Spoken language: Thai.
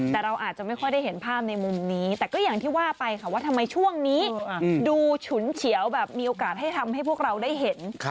แต่เราอาจจะไม่ค่อยได้เห็นภาพในมุมนี้แต่ก็อย่างที่ว่าไปค่ะว่าทำไมช่วงนี้ดูฉุนเฉียวแบบมีโอกาสให้ทำให้พวกเราได้เห็น